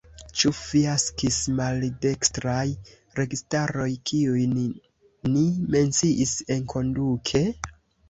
Ĉu fiaskis maldekstraj registaroj, kiujn ni menciis enkonduke?